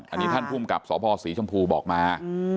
อันนี้ท่านภูมิกับสพศรีชมพูบอกมา